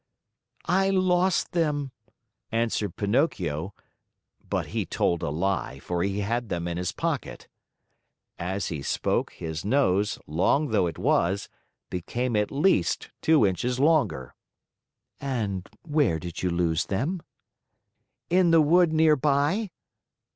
"I lost them," answered Pinocchio, but he told a lie, for he had them in his pocket. As he spoke, his nose, long though it was, became at least two inches longer. "And where did you lose them?" "In the wood near by."